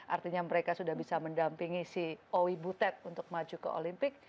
artinya mereka sudah bisa mendampingi si owi butet untuk maju ke olimpik